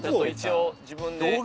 一応自分で。